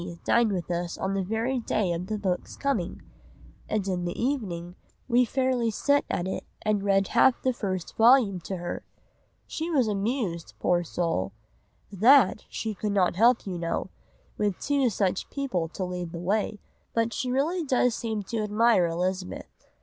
dined with us on the very day of the book's coming, and in the evening we fairly set at it and read half the first vol. to her.... She was amused, poor soul! That she could not help you know, with two such people to lead the way, but she really does seem to admire Elizabeth.